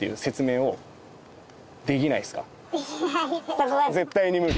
そこは絶対に無理？